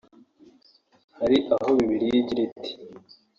Hari aho Bibiliya igira iti